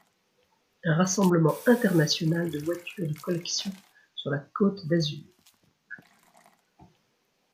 Un rassemblement international de voitures de collection sur la côté d'Azur...